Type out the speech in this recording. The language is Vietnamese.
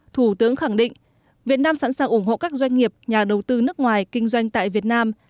thủ tướng khẳng định việt nam sẵn sàng ủng hộ các doanh nghiệp nhà đầu tư nước ngoài kinh doanh tại việt nam